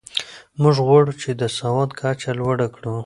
موږ غواړو چې د سواد کچه لوړه کړو.